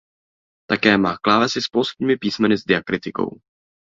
Také má klávesy s polskými písmeny s diakritikou.